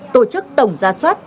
tổ chức tổng gia soát